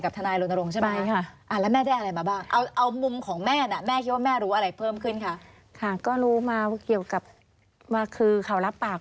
ขอรับปากแน่นอนนะคะ